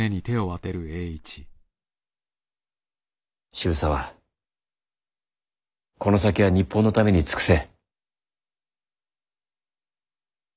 渋沢この先は日本のために尽くせ。